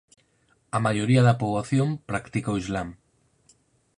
A maioría da poboación practica o Islam.